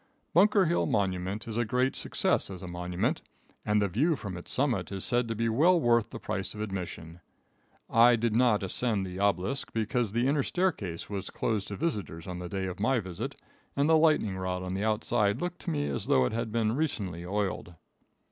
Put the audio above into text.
Bunker Hill monument is a great success as a monument, and the view from its summit is said to be well worth the price of admission. I did not ascend the obelisk, because the inner staircase was closed to visitors on the day of my visit and the lightning rod on the outside looked to me as though it had been recently oiled.